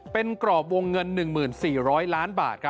เป็นกรอบวงเงิน๑๔๐๐ล้านบาท